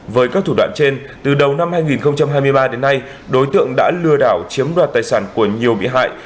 với các thủ đoạn trên từ đầu năm hai nghìn hai mươi ba đến nay đối tượng đã lừa đảo chiếm đoạt tài sản của nhiều bị hại